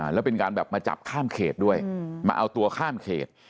แล้วเป็นการแบบมาจับข้ามเขตด้วยมาเอาตัวข้ามเขต